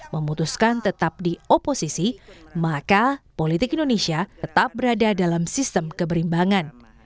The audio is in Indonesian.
memutuskan tetap di oposisi maka politik indonesia tetap berada dalam sistem keberimbangan